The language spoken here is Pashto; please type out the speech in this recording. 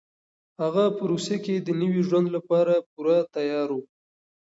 هغه په روسيه کې د نوي ژوند لپاره پوره تيار و.